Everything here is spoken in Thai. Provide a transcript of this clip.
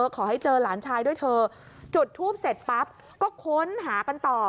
ขอให้เจอหลานชายด้วยเธอจุดทูปเสร็จปั๊บก็ค้นหากันต่อ